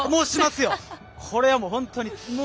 しますよ、これは本当に。